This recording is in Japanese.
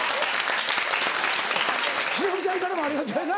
忍ちゃんからもありがとうやな。